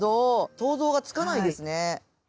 想像がつかないですね。